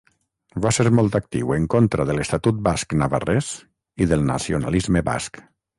Va ser molt actiu en contra de l'Estatut Basc-Navarrès i del nacionalisme basc.